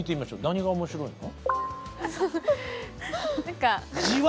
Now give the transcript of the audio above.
何が面白いの？